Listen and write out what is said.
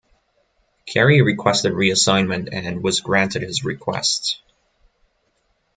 Kerry requested reassignment and was granted his request.